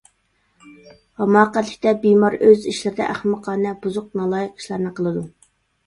ھاماقەتلىكتە بىمار ئۆز ئىشلىرىدا ئەخمىقانە، بۇزۇق، نالايىق ئىشلارنى قىلىدۇ.